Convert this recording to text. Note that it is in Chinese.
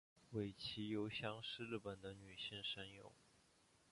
尾崎由香是日本的女性声优。